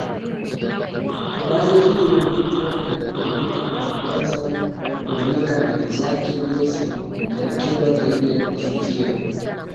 habari hiyo ndipo alipoibuka na kuanza kuanika mali zake Jose alikerwa zaidi aliposikia